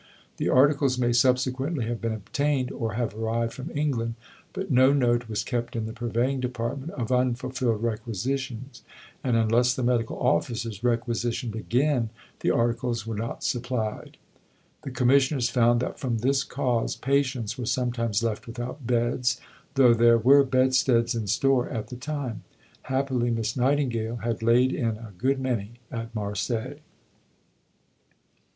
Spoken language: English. The articles may subsequently have been obtained or have arrived from England, but no note was kept in the Purveying Department of unfulfilled requisitions, and unless the medical officers requisitioned again, the articles were not supplied. The Commissioners found that from this cause patients were sometimes left without beds, though there were bedsteads in store at the time. Happily Miss Nightingale had laid in a good many at Marseilles.